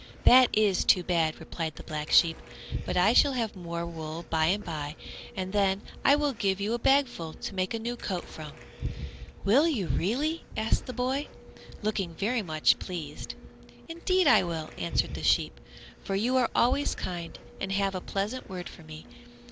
"That is too bad," replied the Black Sheep; "but I shall have more wool by and by, and then I will give you a bagful to make a new coat from." "Will you really?" asked the boy, looking very much pleased. "Indeed I will," answered the sheep, "for you are always kind and have a pleasant word for me.